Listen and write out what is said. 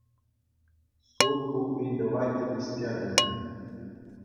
Суд ку ыйтӑва тивӗҫтернӗ.